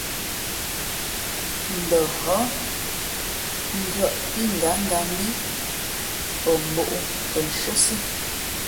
N ndα hά ngʉᾱʼ pí ngánga mbí pαmbᾱ ō tα nshʉ́άsí.